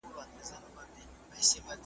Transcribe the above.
کشپ غوښتل جواب ورکړي په ښکنځلو ,